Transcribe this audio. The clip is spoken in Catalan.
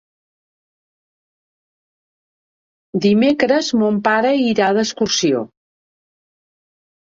Dimecres mon pare irà d'excursió.